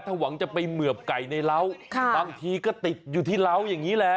ถ้าหวังจะไปเหมือบไก่ในร้าวค่ะบางทีก็ติดอยู่ที่ร้าวอย่างงี้แหละ